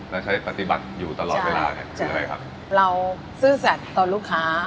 แล้วใช้ปฏิบัติอยู่ตลอดเวลาเนี่ยคืออะไรครับเราซื่อสัตว์ต่อลูกค้า